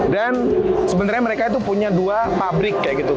dan sebenernya mereka itu punya dua pabrik kayak gitu